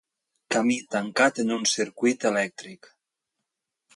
Camí tancat en un circuit elèctric.